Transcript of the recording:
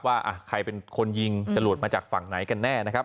ว่าใครเป็นคนยิงจรวดมาจากฝั่งไหนกันแน่นะครับ